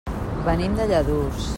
Venim de Lladurs.